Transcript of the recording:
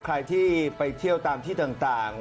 ใครที่ไปเที่ยวตามที่ต่าง